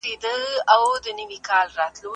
ایا تاسو د افغانستان د تاریخ په اړه پوهېږئ؟